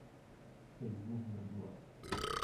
فەیسبووک مردووە.